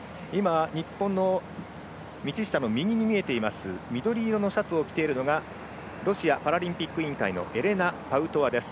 日本の道下の右緑色のシャツを着ているのがロシアパラリンピック委員会のエレナ・パウトワです。